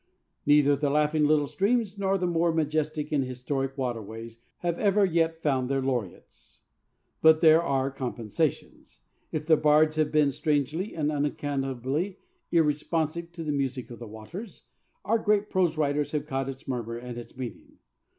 Neither the laughing little streams nor the more majestic and historic waterways have ever yet found their laureates. But there are compensations. If the bards have been strangely and unaccountably irresponsive to the music of the waters, our great prose writers have caught its murmur and its meaning.